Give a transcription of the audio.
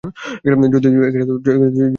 যদি তুমি কলেজের ছাত্র হতে।